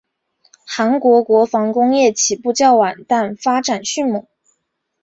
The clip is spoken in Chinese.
韩国国防工业起步较晚但发展迅猛。